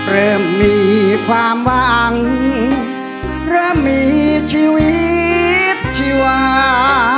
เริ่มมีความหวังเริ่มมีชีวิตชีวา